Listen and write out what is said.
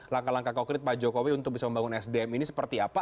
langkah langkah konkret pak jokowi untuk bisa membangun sdm ini seperti apa